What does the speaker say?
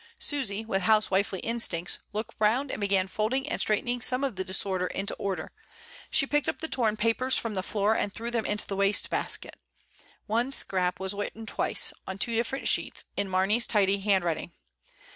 Susy, with housewifely instincts, looked round and began fold ing and straightening some of the disorder into order; she picked up the torn papers from the floor and threw them into the waste basket One scrap was written twice, on two different sheets, in Mar ney's tidy handwriting.